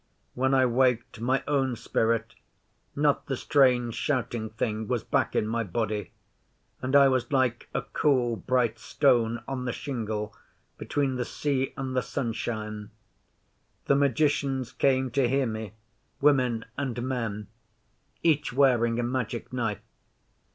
When I waked, my own spirit not the strange, shouting thing was back in my body, and I was like a cool bright stone on the shingle between the sea and the sunshine. The magicians came to hear me women and men each wearing a Magic Knife.